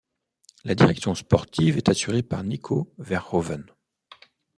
La direction sportive est assurée par Nico Verhoeven.